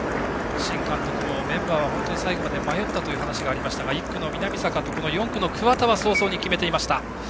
新監督も、メンバーは最後まで迷ったという話がありましたが１区の南坂と４区の桑田は早々に決めていました。